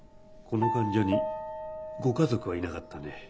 この患者にご家族はいなかったね。